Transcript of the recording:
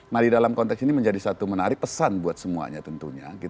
nah di dalam konteks ini menjadi satu menarik pesan buat semuanya tentunya